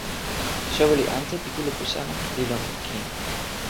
soweli ante pi kulupu sama li lon kin.